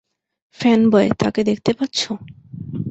Fanboy, তাকে দেখতে পাচ্ছো?